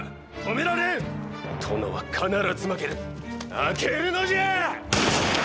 負けるのじゃ！